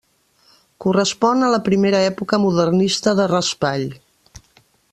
Correspon a la primera època modernista de Raspall.